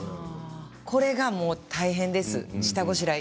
これがもう大変です、下ごしらえ。